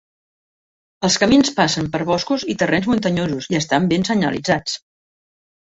Els camins passen per boscos i terrenys muntanyosos i estan ben senyalitzats.